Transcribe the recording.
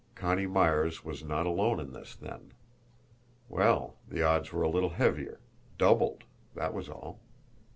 Connie Myers was not alone in this, then! Well, the odds were a little heavier, DOUBLED that was all!